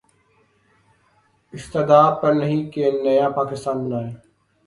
استدعا یہ نہیں کہ نیا پاکستان بنائیں۔